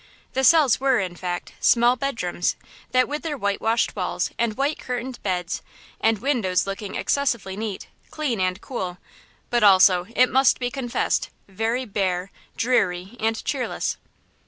The cells were, in fact, small bedrooms that with their white washed walls and white curtained beds and windows looked excessively neat, clean and cool, but also, it must be confessed, very bare, dreary and cheerless.